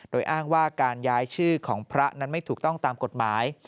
โดยอ้างว่าการย้ายชื่อของพระนั้นไม่ถูกต้องตามกฎหมาย